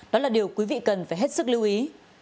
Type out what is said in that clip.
đó là điều quý vị cần phải hết sức lưu ý